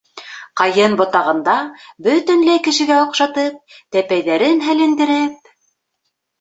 Ҡайын ботағында, бөтөнләй кешегә оҡшатып, тәпәйҙәрен һәлендереп...